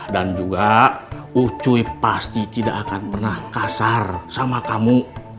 dan juga ucuy pasti tidak akan pernah kasar sama kamu